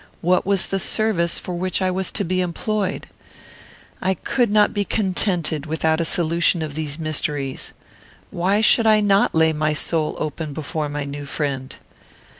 What was the service for which I was to be employed? I could not be contented without a solution of these mysteries. Why should I not lay my soul open before my new friend?